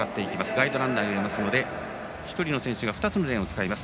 ガイドランナーがいるので１人の選手が２つのレーンを使います。